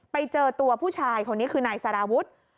ไปเจอตัวผู้ชายคนนี้คือนายสารวุฒิ